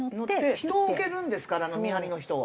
人を置けるんですから見張りの人を。